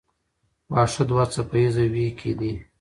واښه دوه څپه ایزه وییکي دي.